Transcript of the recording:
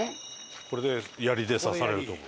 これでやりで刺されると思う。